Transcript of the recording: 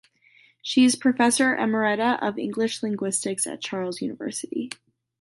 She is Professor Emerita of English Linguistics at Charles University.